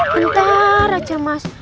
bentar aja mas